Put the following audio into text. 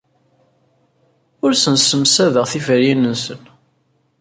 Ur asen-ssemsadeɣ tiferyin-nsen.